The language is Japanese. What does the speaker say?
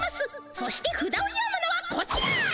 そしてふだを読むのはこちら！